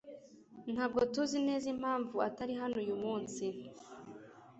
Ntabwo tuzi neza impamvu atari hano uyu munsi.